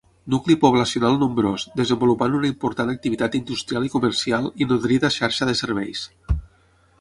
Nucli poblacional nombrós, desenvolupant una important activitat industrial i comercial, i nodrida xarxa de serveis.